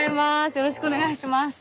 よろしくお願いします！